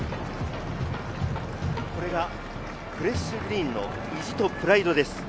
フレッシュグリーンの意地とプライドです。